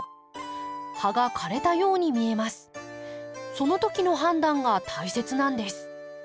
その時の判断が大切なんです。